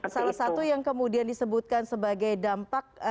salah satu yang kemudian disebutkan sebagai dampak